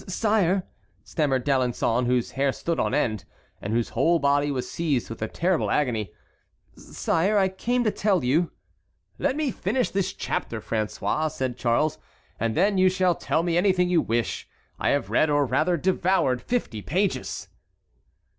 "Sire," stammered D'Alençon, whose hair stood on end, and whose whole body was seized with a terrible agony. "Sire, I came to tell you"— "Let me finish this chapter, François," said Charles, "and then you shall tell me anything you wish. I have read or rather devoured fifty pages."